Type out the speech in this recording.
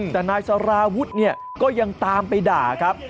แต่นายสาราวุฒิเนี่ยก็ยังตามไปด่าครับ